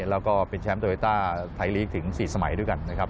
แล้วก็เป็นแชมป์โตเตอร์ลีกไทยถึงสี่สมัยด้วยกันนะครับ